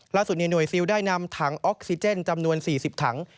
ล่าสุดเนี่ยหน่วยซิลได้นำถังโอคซิเจนจำนวน๔๐ถัง